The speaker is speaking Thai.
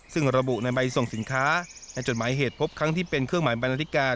ซึ่งระบุในใบส่งสินค้าในจดหมายเหตุพบครั้งที่เป็นเครื่องหมายบรรณาธิการ